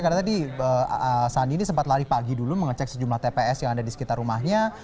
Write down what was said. karena tadi sandi ini sempat lari pagi dulu mengecek sejumlah tps yang ada di sekitar rumahnya